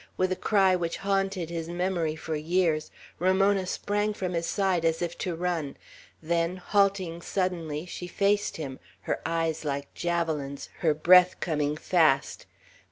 With a cry which haunted his memory for years, Ramona sprang from his side as if to run; then, halting suddenly, she faced him, her eyes like javelins, her breath coming fast.